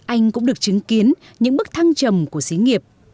anh cũng được chứng kiến những bức thăng trầm của sĩ nghiệp